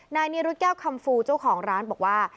นายนิรุธแก้วคำฟูเจ้าของร้านบอกว่า